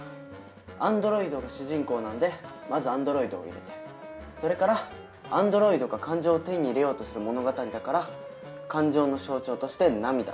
アンドロイドが主人公なのでまず「アンドロイド」を入れてそれからアンドロイドが感情を手に入れようとする物語だから感情の象徴として「涙」。